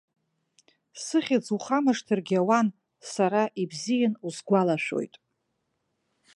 Сыхьӡ ухамышҭыргьы ауан, сара ибзиан усгәалашәоит.